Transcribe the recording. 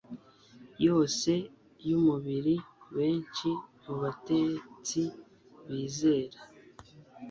yose yumubiri Benshi mu batetsi bizera